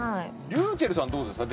ｒｙｕｃｈｅｌｌさんどうですか？